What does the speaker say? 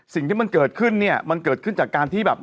สิ่งที่มันเกิดขึ้นเนี่ยมันเกิดขึ้นจากการที่แบบ